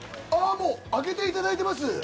もう開けていただいています。